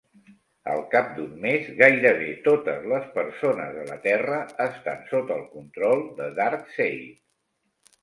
Al cap d'un mes, gairebé totes les persones de la Terra estan sota el control de Darkseid.